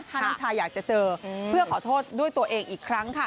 ถ้าน้องชายอยากจะเจอเพื่อขอโทษด้วยตัวเองอีกครั้งค่ะ